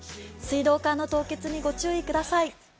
水道管の凍結にご注意ください。